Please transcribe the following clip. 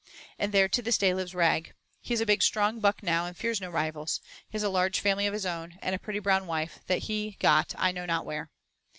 And there to this day lives Rag. He is a big strong buck now and fears no rivals. He has a large family of his own, and a pretty brown wife that he got I know not where.